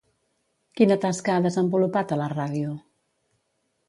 Quina tasca ha desenvolupat a la ràdio?